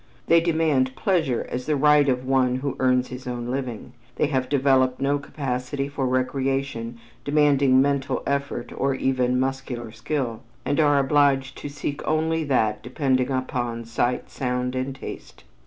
They demand pleasure as the right of one who earns his own living. They have developed no capacity for recreation demanding mental effort or even muscular skill, and are obliged to seek only that depending upon sight, sound and taste.